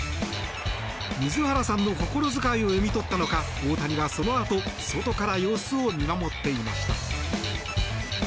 水原さんの心遣いを読み取ったのか大谷は、そのあと外から様子を見守っていました。